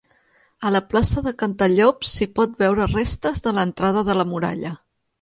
A la plaça de Cantallops s'hi pot veure restes de l'entrada de la muralla.